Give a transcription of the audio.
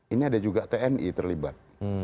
ini ada juga tni terlibat